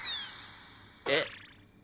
えっ？